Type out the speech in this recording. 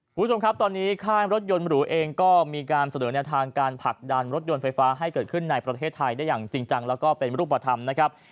คุณผู้ชมครับตอนนี้ค่ายรถยนต์หรูเองก็มีการเสนอแนวทางการผลักดันรถยนต์ไฟฟ้าให้เกิดขึ้นในประเทศไทยได้อย่างจริงจังแล้วก็เป็นรูปธรรมนะครับ